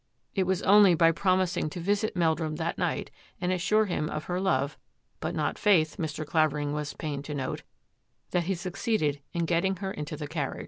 It was only by promising to visit Meldrum that night and assure him of her love — but not faith, Mr. Clavering was pained to note — that he succeeded in getting her into the carriage.